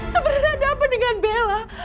tidak ada apa dengan bella